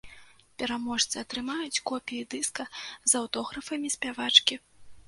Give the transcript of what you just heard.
Пераможцы атрымаюць копіі дыска з аўтографамі спявачкі.